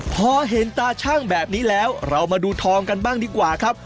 พอเห็นตาช่างแบบนี้แล้วเรามาดูทองกันบ้างดีกว่าครับ